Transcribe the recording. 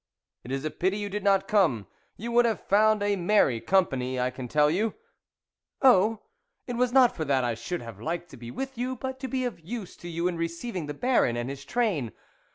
It is a pity you did not come; you would have found a merry company, I can tell you ?"" Oh ! it was not for that I should have liked to be with you, but to be of use to you in receiving the Baron and his train.